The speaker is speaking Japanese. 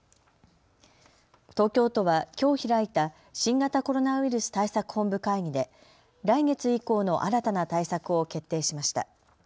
東京都は、きょう開いた新型コロナウイルス対策本部会議で来月以降の新たな対策を決定しました。